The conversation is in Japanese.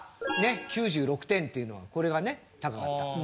９６点っていうのはこれがね高かった。